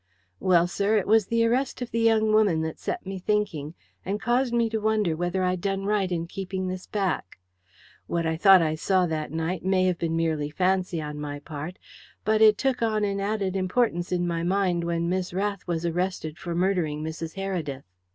"Well, sir, it was the arrest of the young woman that set me thinking, and caused me to wonder whether I'd done right in keeping this back. What I thought I saw that night may have been merely fancy on my part, but it took on an added importance in my mind when Miss Rath was arrested for murdering Mrs. Heredith.